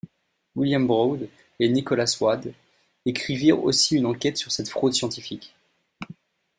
William Broad et Nicholas Wade écrivirent aussi une enquête sur cette fraude scientifique.